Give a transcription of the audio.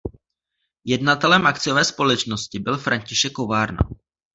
Jednatelem akciové společnosti byl František Kovárna.